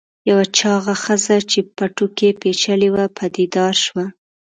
یوه چاغه ښځه چې په پټو کې پیچلې وه پدیدار شوه.